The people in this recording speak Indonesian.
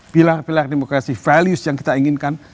pilar pilar demokrasi values yang kita inginkan